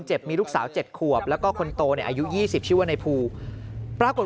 มีลูกสาว๗ขวบแล้วก็คนโตเนี่ยอายุ๒๐ชื่อว่าในภูปรากฏ